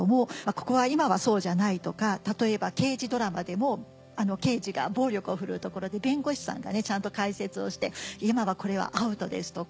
「ここは今はそうじゃない」とか例えば刑事ドラマでも刑事が暴力を振るうところで弁護士さんがねちゃんと解説をして「今はこれはアウトです」とか。